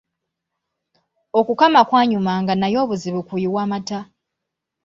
Okukama kwanyumanga naye obuzibu kuyiwa mata.